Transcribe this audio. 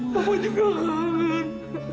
bapak juga kangen